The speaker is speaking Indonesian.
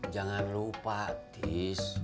jangan lupa atis